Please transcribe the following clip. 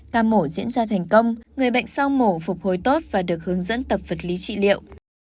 ca mổ diễn ra thành công người bệnh sau mổ phục hồi tốt và được hướng dẫn tập vật lý trị liệu